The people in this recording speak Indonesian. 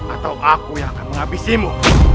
atau aku yang akan menghabisimu